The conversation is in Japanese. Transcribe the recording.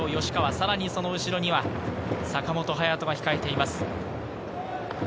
さらにその後ろには坂本勇人が控えています。